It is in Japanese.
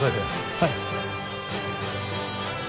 はい。